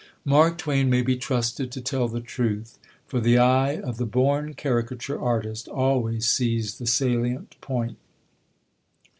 Mark Twain may be trusted to tell the truth; for the eye of the born caricature artist always sees the salient point.